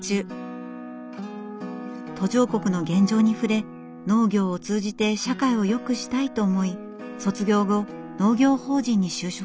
途上国の現状に触れ農業を通じて社会をよくしたいと思い卒業後農業法人に就職。